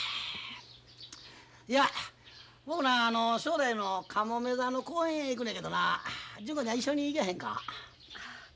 いや僕なあの正太夫のかもめ座の公演へ行くのやけどな純子ちゃん一緒に行かへんか？